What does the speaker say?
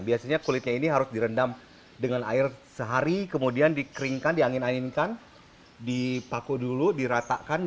biasanya kulitnya ini harus direndam dengan air sehari kemudian dikeringkan diangin anginkan dipaku dulu diratakan